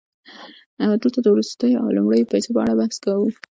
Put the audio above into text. دلته د وروستیو او لومړنیو پیسو په اړه بحث کوو